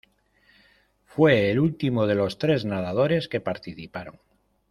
Fue el último de los tres nadadores que participaron.